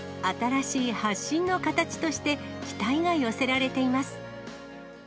新しい発信の形として、期待が寄せられています。